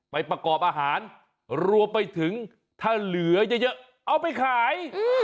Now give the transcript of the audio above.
ประกอบอาหารรวมไปถึงถ้าเหลือเยอะเอาไปขาย